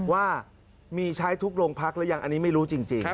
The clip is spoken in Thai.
ว่ามีใช้ทุกโรงพักหรือยังอันนี้ไม่รู้จริง